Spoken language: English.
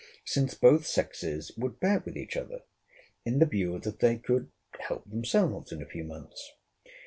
Since both sexes would bear with each other, in the view that they could help themselves in a few months.